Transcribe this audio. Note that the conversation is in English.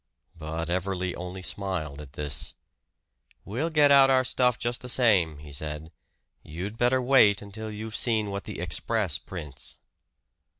But Everley only smiled at this. "We'll get out our stuff just the same," he said. "You'd better wait until you've seen what the 'Express' prints."